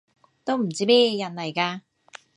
都唔知咩人嚟㗎